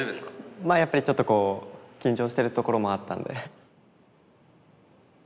まあやっぱりちょっとこう緊張してるところもあったんで。